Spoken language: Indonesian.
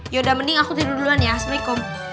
yaudah mending aku tidur duluan ya assalamualaikum